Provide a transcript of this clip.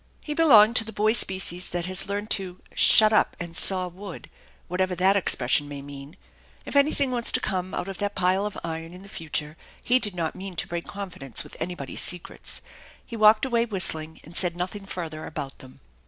He belonged to the boy species that has learned to "shut up and saw wood/*' whatever that expression may mean. If anything was to come out of that pile of iron in the future, he did not mean to break confidence with anybody's secrets. He walked away whistling and said nothing further about them.